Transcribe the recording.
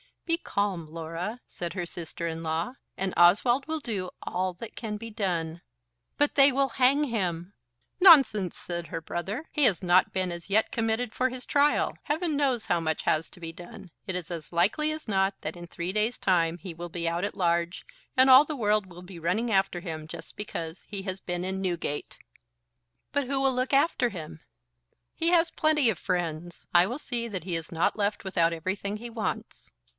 "Be calm, Laura," said her sister in law, "and Oswald will do all that can be done." "But they will hang him." "Nonsense!" said her brother. "He has not been as yet committed for his trial. Heaven knows how much has to be done. It is as likely as not that in three days' time he will be out at large, and all the world will be running after him just because he has been in Newgate." "But who will look after him?" "He has plenty of friends. I will see that he is not left without everything that he wants."